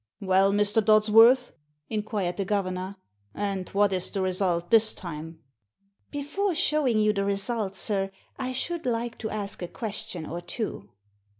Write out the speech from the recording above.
"Well, Mr. Dodsworth," inquired the governor, "and what is the result this time?" " Before showing you the result, sir, I should like to ask a question or two." Mr.